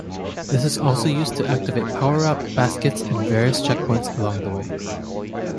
This is also used to activate powerup baskets and various checkpoints along the way.